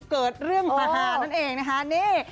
เกิดเรื่องฮานั่นเองนะคะนี่